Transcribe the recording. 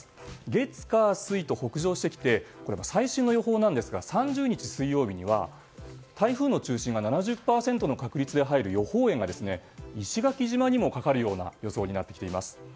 月火水と北上してきて最新の予報ですが３０日水曜日には台風の中心が７０％の確率で入る予報円が石垣島にもかかる予想になっています。